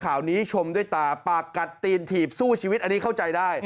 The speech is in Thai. ข่าวนี้ชมด้วยตาปากกัดตีนถีบสู้ชีวิตอันนี้เข้าใจได้